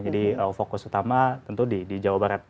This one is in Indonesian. jadi fokus utama tentu di jawa barat